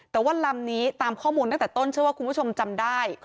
แต่ว่าลำนี้ตามข้อมูลตั้งแต่ต้นเชื่อว่าคุณผู้ชมจำได้